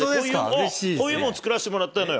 こういうもんを作らせてもらったのよ。